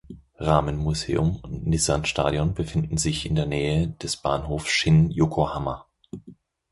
Ramen-Museum und Nissan-Stadion befinden sich in der Nähe des Bahnhof Shin-Yokohama.